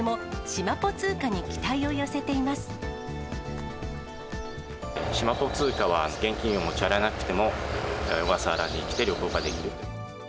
しまぽ通貨は、現金を持ち歩かなくても、小笠原に来て旅行ができる。